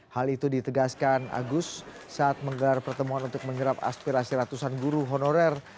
hal itu ditegaskan agus saat menggelar pertemuan untuk menyerap aspirasi ratusan guru honorer